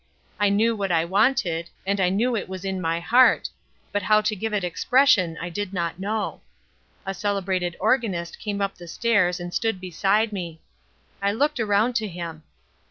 I knew what I wanted, and I knew it was in my heart, but how to give it expression I did not know. A celebrated organist came up the stairs and stood beside me. I looked around to him.